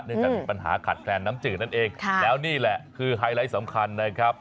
จะมีปัญหาขาดแคลนน้ำจืดนั่นเองแล้วนี่แหละคือไฮไลท์สำคัญนะครับ